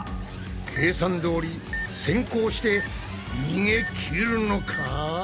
計算どおり先攻して逃げきるのか！？